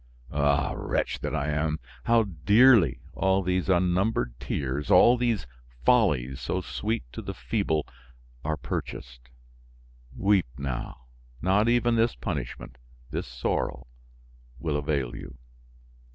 Ah! wretch that I am! How dearly all these unnumbered tears, all these follies so sweet to the feeble, are purchased! Weep now; not even this punishment, this sorrow, will avail you."